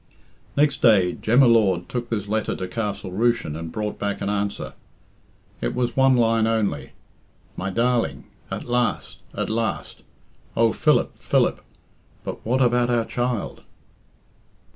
Next day Jem y Lord took this letter to Castle Rushen and brought back an answer. It was one line only "My darling! At last! At last! Oh, Philip! Philip! _But what about our child?